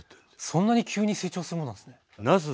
そんなに急に成長するものなんですね。